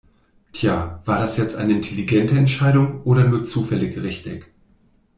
Tja, war das jetzt eine intelligente Entscheidung oder nur zufällig richtig?